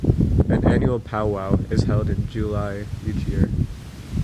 An annual pow-wow is held in July each year.